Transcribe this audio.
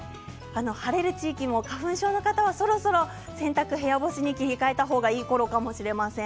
晴れる地域も花粉症の方はそろそろ、お洗濯は部屋干しに切り替えた方がいいかもしれません。